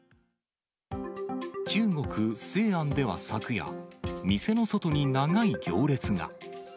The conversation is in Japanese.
中国・西安では昨夜、店の外に長い行列が。